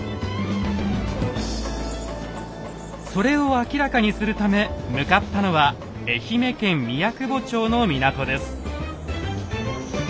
それを明らかにするため向かったのは愛媛県宮窪町の港です。